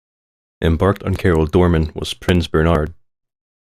Embarked on "Karel Doorman" was Prince Bernhard.